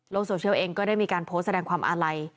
โซเชียลเองก็ได้มีการโพสต์แสดงความอาลัย